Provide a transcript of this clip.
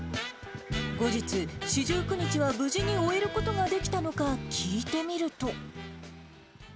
後日、四十九日は無事に終えることができたのか、聞いてみると。